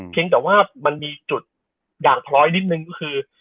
เพียงแต่ว่ามันมีจุดอย่างพลอยนิดนึงก็คือ